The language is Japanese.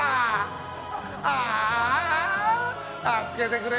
ああ助けてくれ！